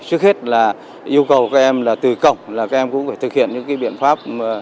trước hết là yêu cầu các em là từ cổng là các em cũng phải thực hiện những biện pháp